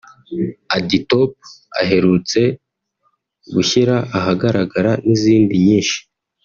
‘AdiTop’ aherutse gushyira ahagaragara n’izindi nyinshi